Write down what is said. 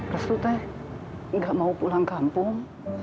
restu teh nggak mau pulang kampung